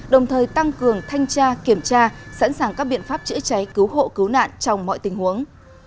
đồng thời tăng cường thanh tra kiểm tra sẵn sàng các biện pháp chữa cháy cứu hộ cứu nạn trong mọi tình huống